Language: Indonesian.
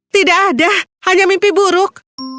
tidak ada hanya mimpi buruk